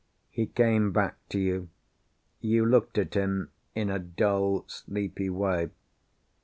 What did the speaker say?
He came back to you. You looked at him in a dull sleepy way.